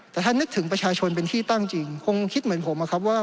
แต่ถ้านึกถึงประชาชนเป็นที่ตั้งจริงคงคิดเหมือนผมนะครับว่า